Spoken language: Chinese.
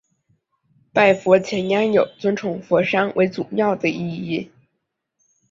拜佛钳羊有尊崇佛山为祖庙的意义。